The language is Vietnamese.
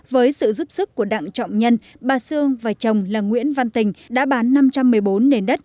với sự giúp sức của đặng trọng nhân bà sương và chồng là nguyễn văn tình đã bán năm trăm một mươi bốn nền đất